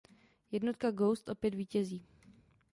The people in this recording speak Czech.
Jednotka Ghost opět vítězí.